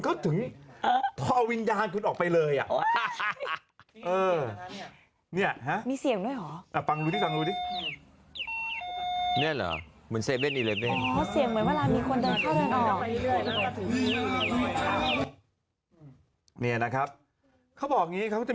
เขาจะต้องได้ขอบคุณเขาถึงพอวิญญาณคุณออกไปเลย